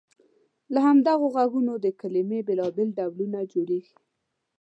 له همدغو غږونو د کلمې بېلابېل ډولونه جوړیږي.